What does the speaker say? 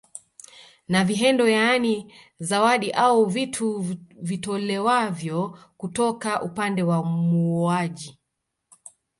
Na vihendo yaani zawadi au vitu vitolewavyo kutoka upande wa muoaji